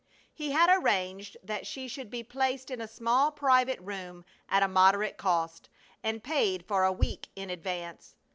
He had arranged that she should be placed in a small private room at a moderate cost, and paid for a week in advance.